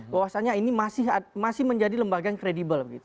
bahwasannya ini masih menjadi lembaga yang kredibel